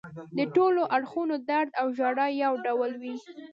د ټولو اړخونو درد او ژړا یو ډول وي.